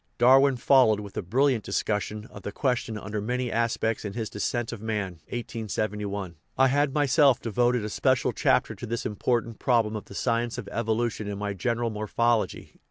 Darwin followed with a brill iant discussion of the question under many aspects in his Descent of Man (1871). I had myself devoted a special chapter to Lhis important problem of the science of evolution in my General Morphology (1866).